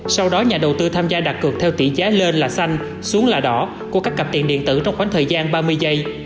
sau đó nhà đầu tư tham gia đặt cược theo tỷ giá lên là xanh xuống là đỏ của các cặp tiền điện tử trong khoảng thời gian ba mươi giây